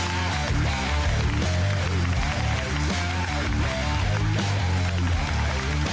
โหพานทั้งเบาจะเยอะมากค่ะ